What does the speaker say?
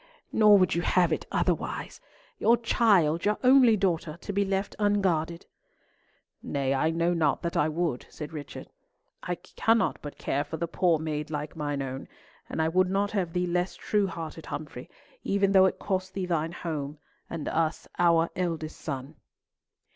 "Nor would you have it otherwise—your child, your only daughter, to be left unguarded." "Nay, I know not that I would," said Richard. "I cannot but care for the poor maid like mine own, and I would not have thee less true hearted, Humfrey, even though it cost thee thine home, and us our eldest son."